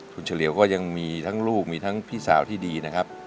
คุณเฉลียวก็ยังมีทั้งลูกมีทั้งพี่สาวที่ดีนะครับ